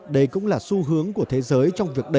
đây cũng là xu hướng của thế giới trong việc đẩy